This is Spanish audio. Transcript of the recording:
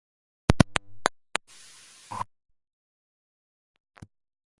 Una delgada torre con reloj corona la estructura.